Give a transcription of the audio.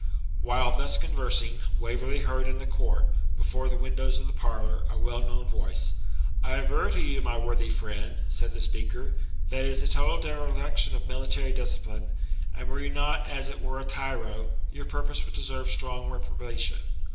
While thus conversing, Waverley heard in the court, before the windows of the parlour, a well known voice. 'I aver to you, my worthy friend,' said the speaker, 'that it is a total dereliction of military discipline; and were you not as it were a tyro, your purpose would deserve strong reprobation.